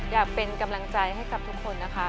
อยากเป็นกำลังใจให้กับทุกคนนะคะ